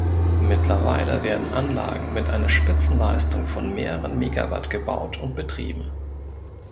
Mittlerweile werden Anlagen mit einer Spitzenleistung von mehreren Megawatt gebaut und betrieben.